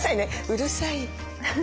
うるさい。